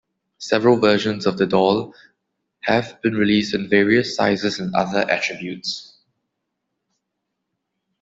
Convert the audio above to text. Several versions of the doll have been released in various sizes and other attributes.